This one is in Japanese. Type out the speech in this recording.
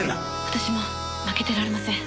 「私も負けてられません」